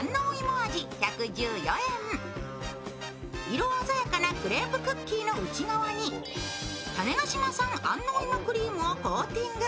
色鮮やかなクレープクッキーの内側に種子島産安納芋クリームをコーティング。